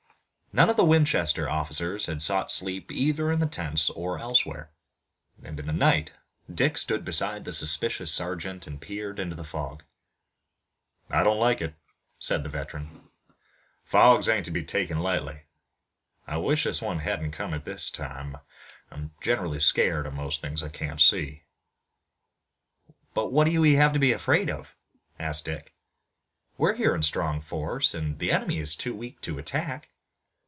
None of the Winchester officers had sought sleep either in the tents or elsewhere, and, in the night, Dick stood beside the suspicious sergeant and peered into the fog. "I don't like it," said the veteran. "Fogs ain't to be taken lightly. I wish this one hadn't come at this time. I'm generally scared of most of the things I can't see." "But what have we to be afraid of?" asked Dick. "We're here in strong force, and the enemy is too weak to attack."